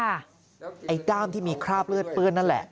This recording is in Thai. ไอ้ด้ามที่มีคราบเลือดเปื้อนนั่นแหละ